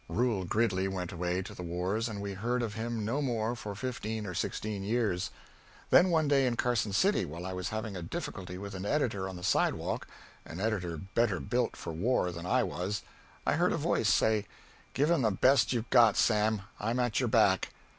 Reuel Gridley went away to the wars and we heard of him no more for fifteen or sixteen years. Then one day in Carson City while I was having a difficulty with an editor on the sidewalk an editor better built for war than I was I heard a voice say, "Give him the best you've got, Sam, I'm at your back."